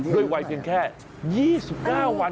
ด้วยไวเพียงแค่๒๙วันเท่านั้นเอง